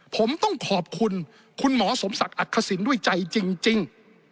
ผมต้องขอบคุณคุณหมอสมศักดิ์อักษิณด้วยใจจริง